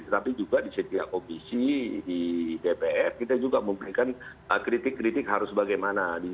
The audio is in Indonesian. tetapi juga di setiap komisi di dpr kita juga memberikan kritik kritik harus bagaimana